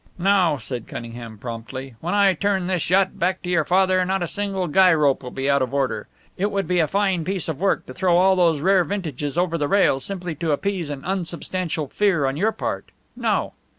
"No," said Cunningham, promptly. "When I turn this yacht back to your father not a single guy rope will be out of order. It would be a fine piece of work to throw all those rare vintages over the rail simply to appease an unsubstantial fear on your part! No!"